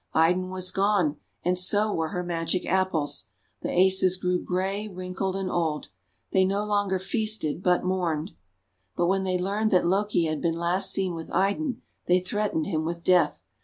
Idun was gone and so were her Magic Apples. The Asas grew grey, wrinkled, and old. They no longer feasted, but mourned. But when they learned that Loki had been last seen with Idun, they threatened him with death.